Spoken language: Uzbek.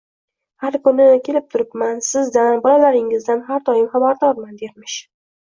Har kuni kelib turibman. Sizdan, bolalaringizdan har doim xabardorman, dermish.